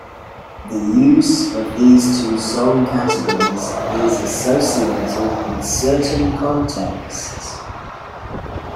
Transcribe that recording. The use of these two song categories is associated with certain contexts.